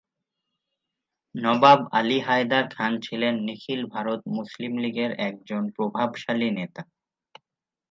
নবাব আলী হায়দার খান ছিলেন নিখিল ভারত মুসলিম লীগের একজন প্রভাবশালী নেতা।